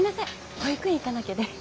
保育園行かなきゃで。